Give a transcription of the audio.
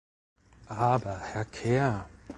Aber, Herr Kerr!